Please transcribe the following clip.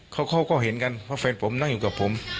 เขาก็เห็นกันว่าแฟนผมนั่งอยู่กับผม